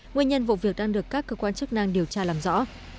nguyên nhân vụ việc đang được các cơ quan chức năng điều tra làm rõ